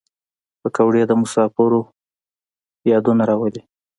پکورې د مسافرو یادونه راولي